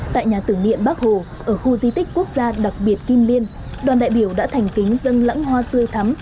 tại nhà tưởng niệm bắc hồ ở khu di tích quốc gia đặc biệt kim liên đoàn đại biểu đã thành kính dân lãng hoa tươi thắm